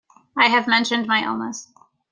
I have mentioned my illness.